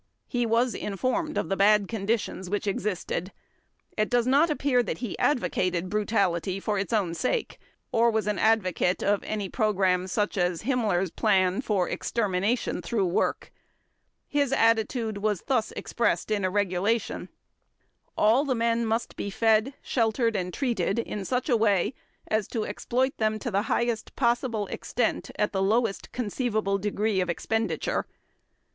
He was informed of the bad conditions which existed. It does not appear that he advocated brutality for its own sake, or was an advocate of any program such as Himmler's plan for extermination through work. His attitude was thus expressed in a regulation: "All the men must be fed, sheltered and treated in such a way as to exploit them to the highest possible extent at the lowest conceivable degree of expenditure."